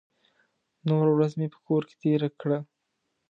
نوره ورځ مې په کور کې تېره کړه.